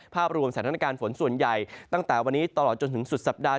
ภาพรวมสถานการณ์ฝนส่วนใหญ่ตั้งแต่วันนี้ตลอดจนถึงสุดสัปดาห